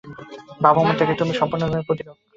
ভাবো, মন থেকে তুমি সম্পূর্ণরূপে পৃথক।